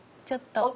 ちょっと。